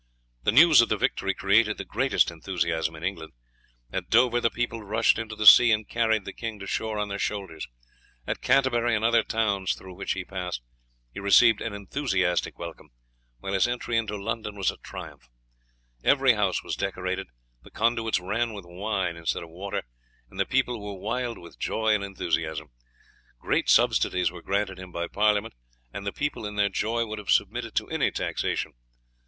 The news of the victory created the greatest enthusiasm in England. At Dover the people rushed into the sea and carried the king to shore on their shoulders. At Canterbury and the other towns through which he passed he received an enthusiastic welcome, while his entry into London was a triumph. Every house was decorated, the conduits ran with wine instead of water, and the people were wild with joy and enthusiasm. Great subsidies were granted him by Parliament, and the people in their joy would have submitted to any taxation.